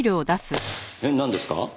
えっなんですか？